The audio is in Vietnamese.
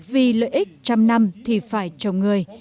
vì lợi ích một trăm linh năm thì phải trồng người